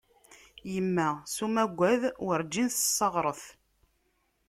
Yemma s umagad, urǧin tessiɣret.